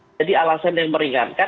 jadi alasan yang meringankan